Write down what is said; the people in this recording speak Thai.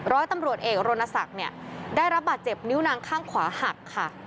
ร้อยตำรวจเอกโรนสักได้รับบาดเจ็บนิ้วนางข้างขวาหัก